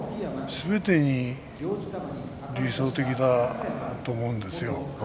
すべてに理想的だと思うんですよ。